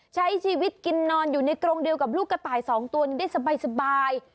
ใช้ชีวิตกินนอนอยู่ในกรงเดียวกับลูกกระต่าย๒ตัวได้สบาย